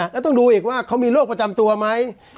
แล้วต้องดูอีกว่าเขามีโรคประจำตัวไหม